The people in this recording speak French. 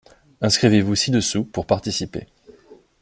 Inscrivez-vous ci-dessous pour participer.